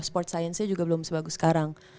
sport science nya juga belum sebagus sekarang